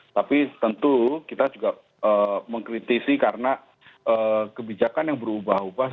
tapi tentu kita juga mengkritisi karena kebijakan yang berubah ubah